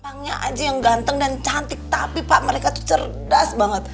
jepangnya aja yang ganteng dan cantik tapi pak mereka tuh cerdas banget